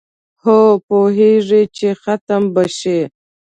او پوهیږي چي ختم به شي